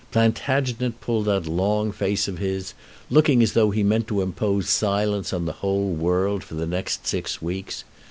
Plantagenet pulled that long face of his, looking as though he meant to impose silence on the whole world for the next six weeks.